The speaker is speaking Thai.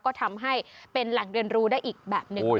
ก็ทำให้เป็นแหล่งเรียนรู้ได้อีกแบบหนึ่ง